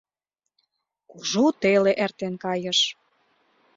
Кужу теле эртен кайыш